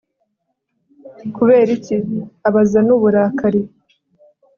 kubera iki? abaza n'uburakari